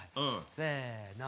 せの！